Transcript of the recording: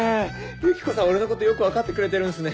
ユキコさん俺のことよく分かってくれてるんすね。